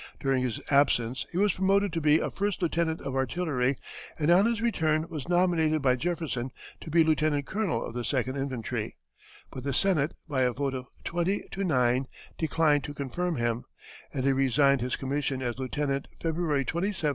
During his absence he was promoted to be a first lieutenant of artillery, and on his return was nominated by Jefferson to be lieutenant colonel of the Second Infantry; but the Senate, by a vote of twenty to nine, declined to confirm him, and he resigned his commission as lieutenant February 27, 1807.